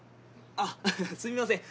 あっすみません